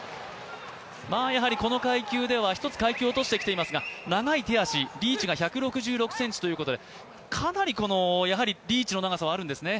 やはりこの階級では１つ階級を落としてきていますが長い手足、リーチが１６６ｃｍということで、リーチの長さはあるんですね。